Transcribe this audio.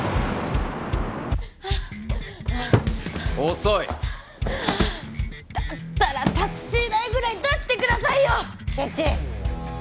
遅いだったらタクシー代ぐらい出してくださいよケチ！